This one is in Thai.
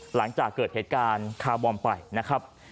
หลังจากเกิดเหตุการณ์คาร์บอมไปนะครับ